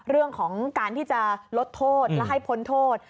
เรื่องของการที่จะลดโทษและให้พ้นโทษ